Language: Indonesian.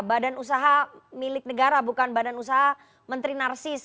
badan usaha milik negara bukan badan usaha menteri narsis